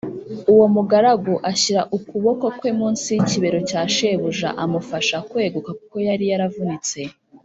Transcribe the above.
uwo mugaragu ashyira ukuboko kwe munsi y ikibero cya shebuja amufasha kweguka kuko yari yaravunitse.